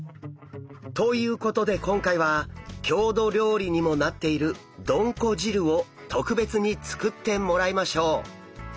ということで今回は郷土料理にもなっているどんこ汁を特別に作ってもらいましょう！